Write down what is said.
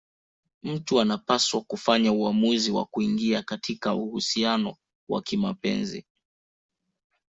Mtu anapaswa kufanya uamuzi wa kuingia katika uhusiano wa kimapenzi